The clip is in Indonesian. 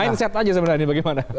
mindset aja sebenarnya bagaimana